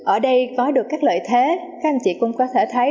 ở đây có được các lợi thế các anh chị cũng có thể thấy